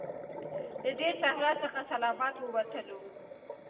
له دې صحرا څخه سلامت ووتلو.